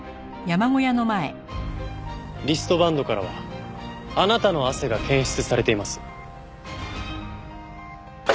リストバンドからはあなたの汗が検出されています。